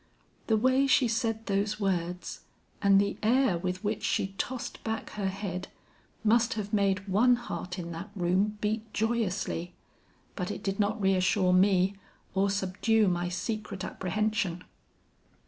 "The way she said those words and the air with which she tossed back her head, must have made one heart in that room beat joyously, but it did not reassure me or subdue my secret apprehension.